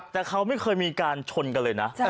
แต่เขาไม่เคยมีการชนกันเลยนะ